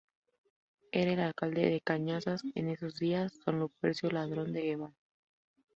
Era el alcalde de Cañazas en esos días don Lupercio Ladrón de Guevara.